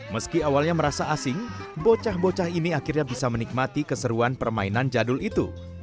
meski awalnya merasa asing bocah bocah ini akhirnya bisa menikmati keseruan permainan jadul itu